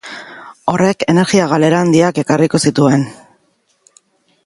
Horrek energia galera handiak ekarriko zituen.